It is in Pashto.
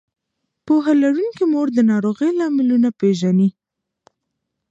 پوهه لرونکې مور د ناروغۍ لاملونه پېژني.